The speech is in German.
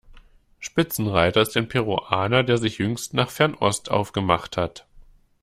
Spitzenreiter ist ein Peruaner, der sich jüngst nach Fernost aufgemacht hat.